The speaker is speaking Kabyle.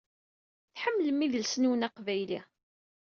Tḥemmlem idles-nwen aqbayli.